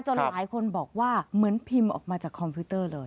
หลายคนบอกว่าเหมือนพิมพ์ออกมาจากคอมพิวเตอร์เลย